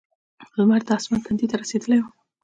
لمر د اسمان تندي ته رسېدلی و.